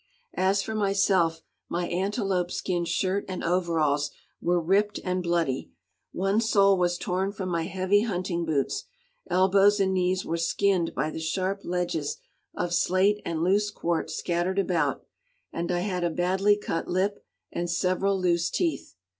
As for myself, my antelope skin shirt and overalls were ripped and bloody, one sole was torn from my heavy hunting boots, elbows and knees were skinned by the sharp ledges of slate and loose quartz scattered about, and I had a badly cut lip and several loose teeth.